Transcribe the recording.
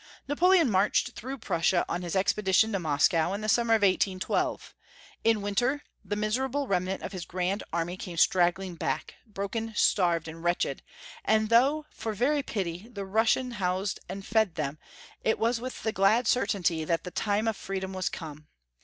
Napoleon marched through Prussia, on his expedition to Moscow, in the summer of 1812. In the winter the miserable remnant of his Grand Army came straggling back, broken, starved, and wretched ; and though for very pity the Prussians housed and fed them, it was with the glad certainty that the time of freedom was come.